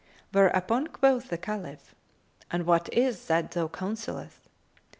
whereupon quoth the Caliph, "And what is that thou counselleth?"